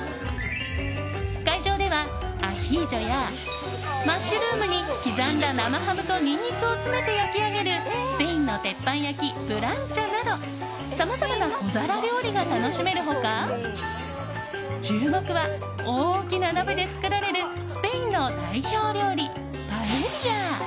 会場では、アヒージョやマッシュルームに刻んだ生ハムとニンニクを詰めて焼き上げるスペインの鉄板焼きプランチャなどさまざまな小皿料理が楽しめる他注目は大きな鍋で作られるスペインの代表料理、パエリア。